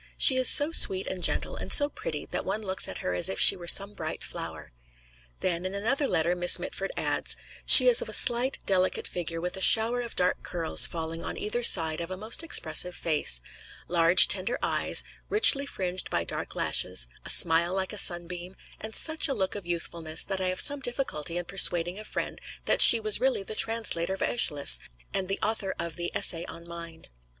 She is so sweet and gentle, and so pretty that one looks at her as if she were some bright flower." Then in another letter Miss Mitford adds: "She is of a slight, delicate figure, with a shower of dark curls falling on either side of a most expressive face; large tender eyes, richly fringed by dark lashes; a smile like a sunbeam, and such a look of youthfulness that I had some difficulty in persuading a friend that she was really the translator of Æschylus and the author of the 'Essay on Mind.'"